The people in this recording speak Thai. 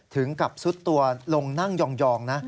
ถึงกับซุดตัวลงนั่งยองนะ